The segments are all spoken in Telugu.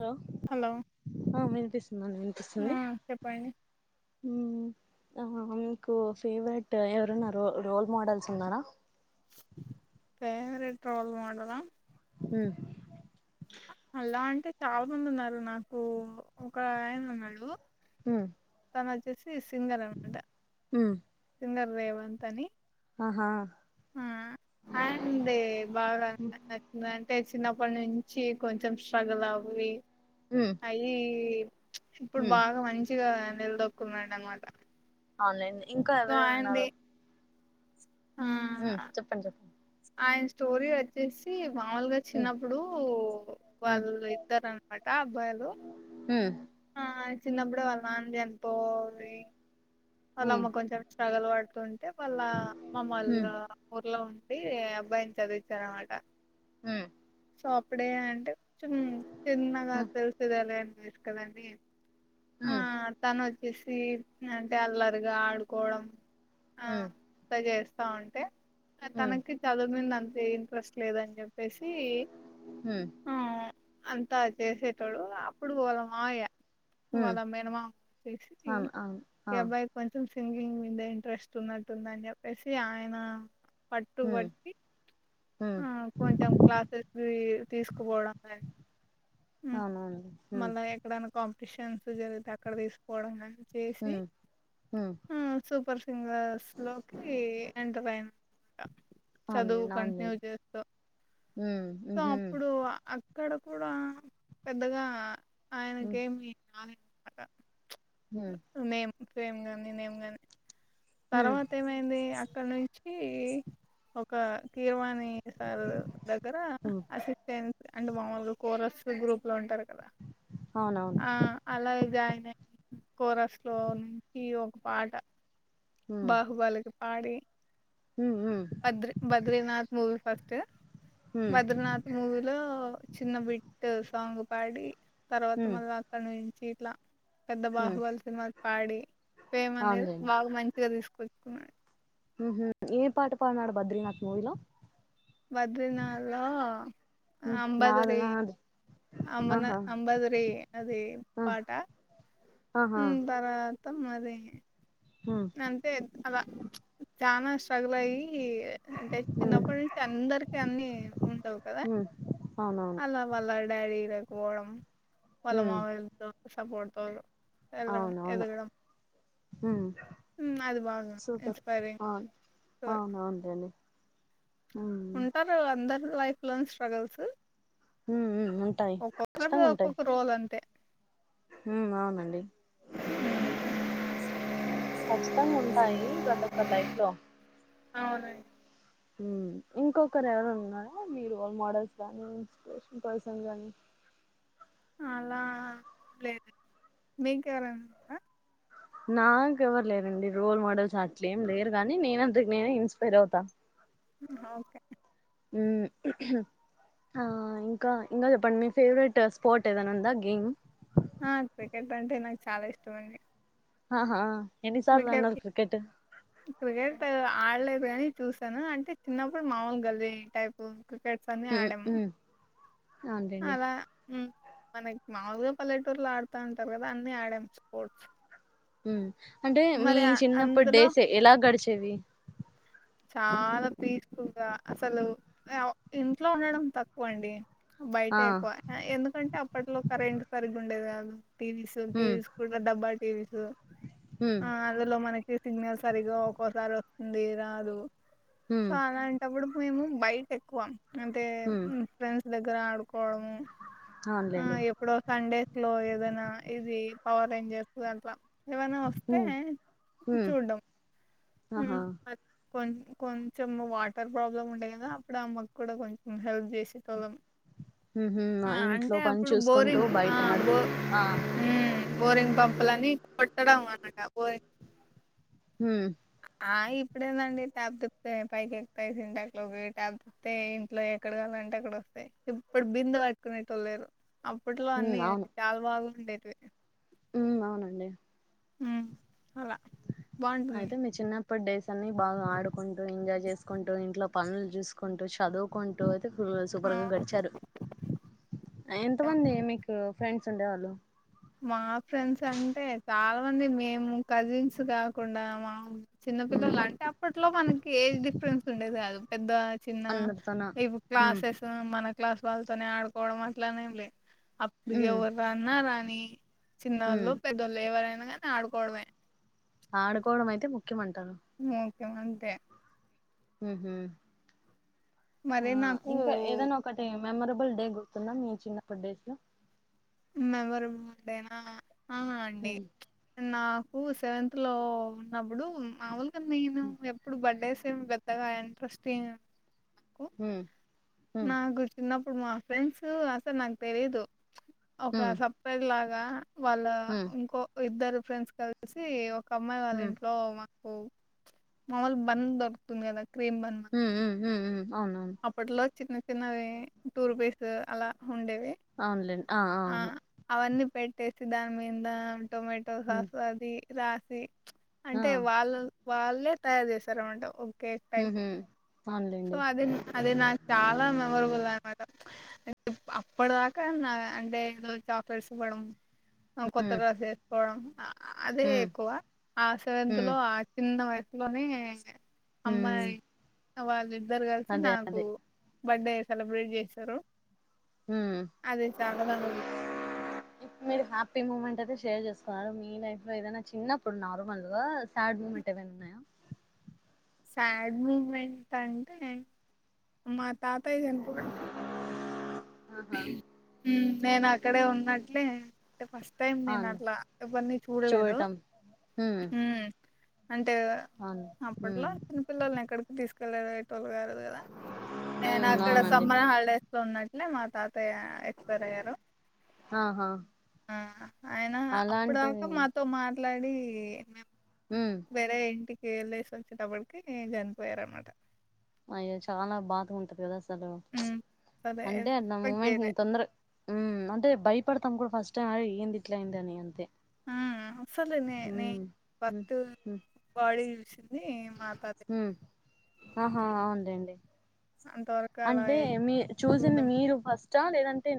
హలో హలో హలో వినిపిస్తుందిండి ఆ వినిపిస్తుంది చెప్పండి ఉ మీకు ఫేవరెట్ ఎవరున్న రో రోల్ మోడల్స్ ఉన్నారా ర ట్రోల్ మడల ఆ అలా అంటే చాలా మంది ఉన్నారు నాకు ఒక ఆయనన్నాళ్ు హ వచ్చేసి సిన్గాారు అనమాట ఉమ్ సింగర్ దేవ అంతని ఆహా ఆ అే బావరా అంతచ్చంద అ అట్టే చిన్నప్పటి నుంచి కొంచెం స్ట్రగుల్ అవవి ఉమ్ అయి ఇప్పుడు ఉమ్ బాగా మంచిగా నిలదొక్కున్నాడు అనమాట ఆన్లైన్ ఇంకా సో ఎవరవరు ఉన్నారు ఆయనది ఆ ఉ చెప్పండి చెప్పండి ఆయన స్టోరీ వచ్చేసి మాముూలుగా ఉమ్ చిన్నప్పుడు వాళ్ళు ఇస్తారునమాట అబ్బాయిలు ఉమ్ ఆ చిన్నప్పుడే వాళ్ళ అంది చనిపోవాలి వాళ్ళ ఉమ్ అమ్మ కొంచెం స్ట్రగుల్ పడుతుంటే వాళ్ళ మమ్మల్ళ ఉమ్ ఊర్లో ఉ అే అబ్బాయి ఎంతది విచారమాట హ సోప్పుడే అంటే కొంచెం చిన్నగా ఉమ్ తెలిసది ఎలాని వసు కదని ఆ ఉమ్ తను వచ్చేసి అంటే అల్లరిగా ఆడుకోవడం ఉమ్ ఆంత చేస్తా ఉంటే ఉమ్ తనకి చదువువింద అంత ఇంట్రెస్ట్ లేదని చెప్పేసి ఉమ్ ఆ అంతా చేసేటోడు అప్పుడు వాళ్ల మావయ్య ఉమ్ ఉమ్ వాళ్ళ మేనమామకిచ్చేసి అవును అవును ఆ ఈ అబ్బాయి కొంచం సింగింగ్ మీద ఇంట్రెస్ట్ ఉన్నట్టుందని చెప్పేసి ఆయన పట్టు ఉమ్ పట్టి ఉమ్ ఆ కొంచెం క్లాసెస్కి తీసుకుపోవడం గాని మ్ అవునవును ఉమ్ మళ్ళా ఎక్కడైనా కాంపిటీషన్స్ జరిగితే అక్కడ తీసుకోవడం కానీ చేసి ఉమ్ ఉమ్ ఆ సూపర్ సింగర్స్ లోకి ఎంటర్ అయిన చదువు ఆన్లైన్ కంటిన్యూ ఆన్లైన్ చేస్తు ఉమ్ సో ఉహు అప్పుడు అక్కడ కూడా పెద్దగా ఉమ్ ఆయనకేమి రాలేనమాట ఉమ్ ఫేమ్ గాని నేమ్ గాని ఉమ్ తర్వాత ఏమైంది అక్కడ నుం చి ఒక కిర్వాణి సార్ దగ్గర ఉమ్ అసిస్టెంట్ గా అంటే మామూలుగా కోరస్ గ్రూప్ లో ఉంటారు అవునవును అలాగ జాయిన్ అయి కోరస్లో నుంచి ఒక పాట హ్మ్ బాహుబాలకి పాడి హ్మ్ హ్మ్ బద్రి బద్రినాథ్ మూవి ఫస్ట్ హ్మ్ బద్రినాథ్ మూవీలో చిన్న బిట్ సాంగ్ పాడి తర్వాత హ్మ్ మళ్ళీ అక్కడ నుంచి ఇట్లా పెద్ద హ్మ్ బాహుబలి సినిమాకి పాడి ఫేమ్ అనేది అవునులేండి బాగా మంచిగా తీసుకొచ్చుకున్నాడు ఉంహు ఏం పాట పాడినాడు బద్రినాథ్ మూవీలో బద్రినాథ్ లో హ్మ్ నాది అంబదరి నాది అమనా ఆహా అంబదరి అది ఆ పాట ఆహా మొత్తం అది హ్మ్ అంతే అలా చానా స్ట్రగల్ అయ్యి యి అంటే హ్మ్ చిన్నప్పటి నుంచి అందరికి అన్ని ఉండవు కదా హ్మ్ అవునవును అలా వాళ్ళ డాడీ లేకపోవడం వాళ్ళ హ్మ్ మామయలతో సపోర్ట్తో వెళ్గడం అవునవును ఎదగడం హ్మ్ ఉమ్ అది బాగా సూపర్ ఇన్స్పైరింగ్ అవును స్టో అవునవునులేండి హ్మ్ ఉంటారు అందరు లైఫ్ లోను స్ట్రగుల్స్ హ్మ్ హ్మ్ ఉంటాయి ఒక్కొక్కరిది ఖచ్చితంగా ఉంటాయి ఒక్కొక్క రోల్ అంతే హ్మ్ అవునండి ఉమ్, ఖచ్చితంగా ఉంటాయి ప్రతి ఒక్కరి లైఫ్ లో అవునండి ఉమ్ ఇంకొకరు ఎవరన ఉన్నారా మీ రోల్ మోడల్స్ గానీ ఇన్స్పిరేషన్ పర్సన్ గానీ అలా లేదండి మీకేవరైనా ఉన్నారా నాక ఎవరు లేరండి రోల్ మోడల్స్ అట్లేం లేరు కానీ నేనంతకు నేనే ఇన్స్పైర్ అవుతా ఉమ్ ఒకే ఉమ్ ఆ ఇంకా ఇంకా చెప్పండి మీ ఫేవరెట్ స్పోర్ట్ ఏదైనా ఉందా గేమ్ ఆ క్రికెట్ అంటే నాకు చాలా ఇష్టమండి హా హా క్రికెట్ క్రికెట్ ఆ ఆడలేదు చూసాను అంటే చిన్నప్పుడు మాముూలు గల్లి టైప్ క్రికెట్స్ అన్ని ఆడము అంటేండీ మనకి మాముూలుగా పల్లెటూరులో ఆడుతాంటారు కదా అన్ని ఆడాము స్పోర్ట్స్ ఉమ్ అంటే మీ మరి ఆ- చిన్నప్పుటి అందులో డేస్ ఎలా గడిచేవి చాలా పీస్ఫుల్గా అసలు ఇంట్లో ఉండడం తక్కువ అండి బయటె ఆ ఎక్కువ ఎందుకంటే అప్పట్లో కరెంట్ సరిగ ఉండేది కాదు టీవీస్ మ్ టీవీస్ కూడా డబ్బా టీవీస్ మ్ ఆ అందులో మనకి సిగ్నల్ సరిగా ఒక్కోసారి వస్తుంది రాదు సో మ్ అలాంటప్పుడు మేము బయట ఎక్కువం అంటే మ్ ఫ్రెండ్స్ దగ్గర ఆడు డ ఆ అవునులేండి ఎప్పుడో సండేస్ లో ఏదైనా ఇది పవర్ రేంజర్స్ దాంట్లా ఏమన్నా వస్తే మ్ మ్ చూడ్డం ఆహా కొ కొంచెం వాటర్ ప్రాబ్లమ్ ఉంటేయి కదా అప్పుడు అమ్మకు కూడా కొంచెం హెల్ప్ చేసే తళ్ళం మ్ హు ఆ ఇంట్లో అంటే పని అప్పుడు చూసుకుంటూ బోరింగ్ ఆ బయట బో ఆడుకుంటూ ఆ ఉ బోరింగ్ పంపలాని కొట్టడా మన కా పోయి మ్ ఆ ఇప్పు ఇప్పుడెంద ట్యాబ్ తిప్తే పైకి ఎక్కుతాయి సింటాక్లోకి టాబ్ తిప్తే ఇంట్లో ఎక్కడ కావాలంటే అక్కడ వస్తాయి ఇప్పుడు బిందే పట్టుకునేటోల్లేరు అప్పట్లో అన్ని చాలా బాగా ఉండేవి ఉమ్ అవునండి ఉమ్ అలా బావుంటుంది అప్పుడు డేస్ అన్ని బాగా ఆడుకుంటూ ఎంజాయ్ చేసుకుంటూ ఇంట్లో పనులు చూసుకుంటూ చదువుకుంటూ ఆ సూపర్ గా గడిచారు చాలా ఎంతమంది మీకు ఫ్రెండ్ స్ ఉండేవాళ్లు మా ఫ్రెండ్స్ అంటే చాలా మంది మేము కజిన్స్ కాకుండా మా ఉమ్ చిన్నపిల్లలు అంటే అప్పట్లో మనకి ఏజ్ డిఫరెన్స్ ఉండేది కాదు పెద్ద చిన్న అందరితోన ఇవి ఉమ్ క్లాసెస్ మన క్లాస్ వాళ్ళతోనే ఆడుకోవడం అట్లనేంలే అప్పుడిగ ఉమ్ వర్రన్నా రాని ఉమ్ చిన్నోళ్ళు పెద్దోళ్ళు ఎవరైనా గాని ఆడుకోవడమే ఆడుకోవడం అయితే ముఖ్యం అంటారు యమంతే ఊహుమ్ ఆ మరి నాకు ఇంకా ఏదైనా ఒకటి మెమరబుల్ డే గుర్తుందా మీ చిన్నప్పటి డేస్ లో మెమొరబుల్ డేనా ఆ అండి ఉమ్ నాకు కు సెవెంత లో ఉన్నప్పుడు మామూలుగా నేను ఎప్పుడు బడ్డేస్ పెద్దగా ఇంట్రెస్టింట్ ఎం ఉమ్ ఉమ్ నాకు చిన్నప్పుడు మా ఫ్రెండ్స్ అసలు నాకు తెలీదు ఒక ఉమ్ సప్రైజ్ లాగా వాళ్ళ ఉమ్ ఇంకో ఇద్దరు ఫ్రెండ్స్ కలిసి ఒక అమ్మాయి వాళ్ళ ఉమ్ ఇంట్లో మములు బన్ దొరుకుతుంది కదా క్రీమ్ బన్ ఊ మనకి ఉమ్ ఊ ఉమ్ అవునవును అప్పట్లో చిన్న చిన్నవి టూ రూపిస్ అలా ఉండేవి ఆ అవన్నీ పెట్టేసి దాని మీద టొమాటో ఉమ్ సాస్ అది రాసి ఆ అంటే వాళ్ళ వాళ్ళే తయారు చేసారనమాట కేక్ టైపు ఉహు సో అవునులేండి అది అది చాలా మెమరబుల్ అనమాట అప్పటి దాకా నా అంటే ఏదో చాక్లెట్స్ ఇవడం కొత్తగా చేస్కోడం ఆ అదే ఉమ్ ఎక్కువ ఆ సెవెంత్ ఉమ్ లో ఆ చిన్న వయసు లోని ఉమ్ అమ్మాయి వాళ్ళిద్దరు అదే అదే బడ్డే సెలబ్రేట్ చేశారు ఉమ్ అది చాలా మీరు హ్యాపీ ముూమెంట్ అది షేర్ చేసుకున్నారు మీ లైఫ్ లో ఏదైనా చిన్నప్పుడు నార్మల్ గా సాడ్ మూమెంట్ ఏవైనా ఉన్నాయా సాడ్ మూమెంట్ అంటే మా తాతయ్య చనిపోడం ఆహా నేను అక్కడే ఉన్నట్లే అంటే ఫస్ట్ టైం నేను అవును అట్లా ఎవర్ని చూడలేదు చూడటం ఉమ్ అంటే అవును ఉమ్ అప్పట్లో చిన్నపిల్లల్ని ఎక్కడికి తీసుకెల్లేటోలు గాదు నేను ఉమ్ అక్కడ అవునండి సమ్మర హాలిడేస్ లో ఉన్నట్లే మా తాతయ్య. ఎక్స్‌పైర్ అయ్యారు. ఆహా ఆ ఆయన అలాంటివి అప్పుడుదాక మాతో మా. మాట్లాడి ఉమ్ వెరైటీ. వెళ్ళేసి వచ్చేటప్పటికి చనిపోయారన్నమాట. అయ్యో చాలా బాధగా ఉంటది కదా! ఉమ్ సరే అంటే ఆ దా ఎక్స్పెక్ట్ మూమెంట్ చేయలే తొందర హ్మ్ అంటే భయపడుతుంది. తను కూడా ఫస్ట్ టైం అలా ఏంటి ఇట్లా అయిందని అంతే. హ సర న న హ్మ్ పత్ బాడిీసిిన [unintelligible] మ్! ఆహా! అవునులేండి. అంతవరకు అలా అంటే మీ చూసింది చూడ్డం మీరు ఫస్ట్. లేదంటే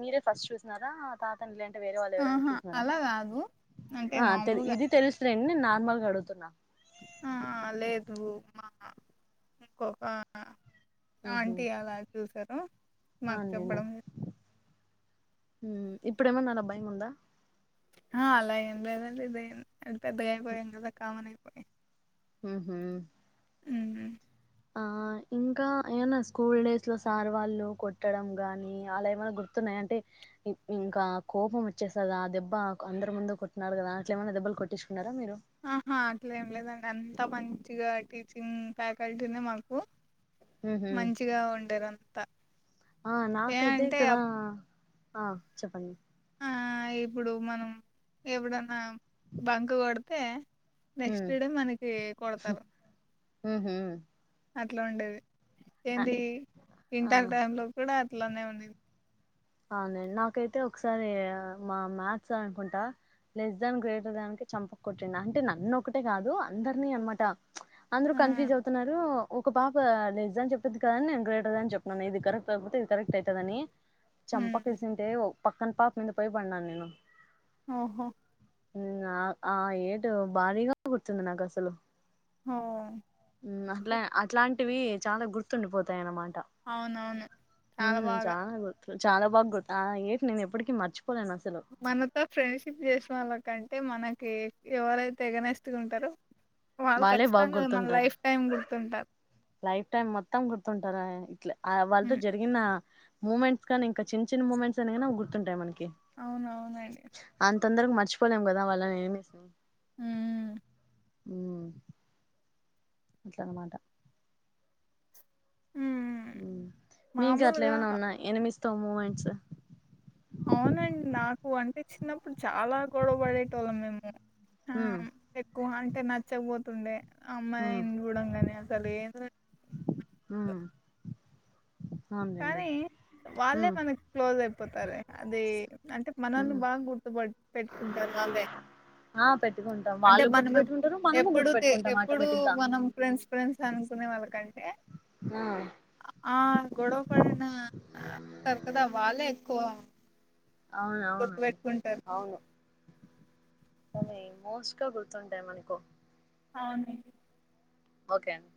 మీరే ఫస్ట్ చూసినారా? తాతను. వేరే వాళ్ళు ఎవరైన ఆహా చూసారా అలా కాదు అంటే ఆ మామూలుగా ఇది తెలుసు రండి నేను నార్మల్గా అడుగుతున్నాను. ఆ లేదు మ్మా ఒక [inaudible] ఊహూ ఆంటీ అలా చూసారు మాకు అవునులేండి చెప్పడం. ఇప్పుడేమన్నా భయము ఉందా? ఆ అలా ఏం లేదు అండి పెద్దగాయిపోయి కామన్ అయిపోయి. హ్మ్! మ్! ఆ ఇంకా ఏనా స్కూల్ డేస్ లో సార్ వాళ్ళు కొట్టడం గాని, అలా ఏమన్నా గుర్తు అంటే ఇంకా కోపం వచ్చేస్తు కా ఆ దెబ్బ అందరు ముందు కొట్టినారు కదా, చ ఏమైన్నా దెబ్బలు కొట్టి తీసుకున్నారా మీరు? ఆహా! అట్లేం లేదండి అంత మంచిగా టీచింగ్ ఫ్యాకల్టీనే మాకు. ఉహు మంచిగా ఉంటారంతా. ఆ నాకైతే ఇక్కడ ఆ చెప్పండి. ఆ ఇప్పుడు, మనం ఎప్పుడన్నా బంకు కొడితే. నెక్స్ట్ ఉమ్ డే మనకి కొడతారు. హ్మ్! హూ! అట్లా ఉండేది. ఏంటి ఆ ఇంటర్ టైం లో కూడా అట్లానే ఉండేది. అవునండి, నాకైతే ఒకసారి మా మ్యాథ్స్ అనుకుంటా లెస్ దాన్, గ్రేటర్ దాన్ కి చంపకుకొట్టిండి అంటే నన్ను ఒకటే కాదు అందరినీ అన్నమాట అందుకు ఆ కన్ఫ్యూజ్ అవుతున్నారు ఒక పాప లెస్ ధ్యాన్ చెప్పింది కదా అని నేను గ్రేటర్ ధ్యాన్ అని చెప్పినాను ఇది కరెక్ట్ అవుతుంది అంటే ఏది కరెక్టే. [unintelligible] చంప ఉమ్ కేసింటే పక్కన పాప మీద పోయి పడిడాను నేను. ఓహో! మ్ ఆ ఆ ఏంటి భారీగా కూర్చుంది నాకు అసలు. హ్మ్! అట్లా అట్లాంటివి చాలా గుర్తుండిపోతాయి అన్నమాట. అవునవును చాలా మ్! బాగా చాలా గుర్తు చాలా బాగా గుర్తు ఆ ఏంటి నేను ఎప్పటికిీ మర్చిపో మనతో ఫ్రెండ్షిప్ చేసిన వాళ్ళ కంటే, మనకి ఎవరైతే ఎగనెస్టుగా ఉంటారో? వాళ్ళు, వాళ్ళే బాగా ఖచ్చితంగా మన గుర్తుంటారు లైఫ్ టైమ్ గుర్తుంటారు. లైఫ్ టైమ్ మొత్తం గుర్తుంటారా? ఆ వాళ్లు ఉమ్ జరిగిన మూమెంట్ కన్నా ఇంకా చిన్న చిన్న మూమెంట్స్ గానే గుర్తుంటాయి మనకి. అవునవునండి. తొందర మర్చిపోలేం కదా వాళ్ళని ఏం. హ్మ్! హ్మ్! అట్లా అన్నమాట. ఉమ్ మీకా అట్లా మామూలుగా ఏమైన్నా ఉన్నా ఎనిమిస్తావ్ మూమెంట్స్. అవునండి, నాకు అంటే చిన్నప్పుడు చాలా గొడవ పడేటోళ్లము మేము. ఆ మ్మ్ ఎక్కువ అంటే నచ్చకపోతుండే మ్మ్ అమ్మాయిని చూడంగానే అసలు ఏన్ మ్మ్ అవునులేండి కానీ వాళ్ళే మ్మ్ మనకు క్లోజ్ అయిపోతారు. అదే అంటే మనల్ని మ్మ్ బాగా గుర్తుపడి పెట్టుకుంటారు అదే ఆ పెట్టుకుంటాం అంటే వాళ్ళు గుర్తు మనం పెట్టుకుంటారు మనము ఎప్పుడు గుర్తు పెట్టుకుంటాం ఎప్పుడు ఆటోమేటిక్ గా మనం ఫ్రెండ్స్ ఫ్రెండ్స్ అని వాళ్ళకంటే ఆ ఆ గొడవ పడిన సారు కదా వాళ్ళే ఎక్కువ అవున అవునండి గుర్తుపెట్టుకుంటారు అవును అనీ మోస్ట్ గా గుర్తుంటాయి మనకు అవునండి ఓకే అండి